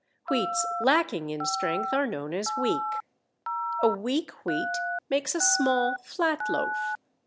Wheats lacking in strength are known as weak. A weak wheat makes a small flat loaf.